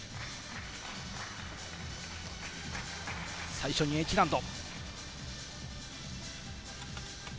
最初にＨ難度。